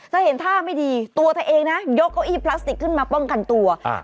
เห็นท่าไม่ดีตัวเธอเองนะยกเก้าอี้พลาสติกขึ้นมาป้องกันตัวอ่า